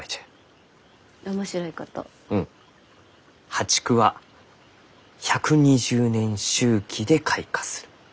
ハチクは１２０年周期で開花する。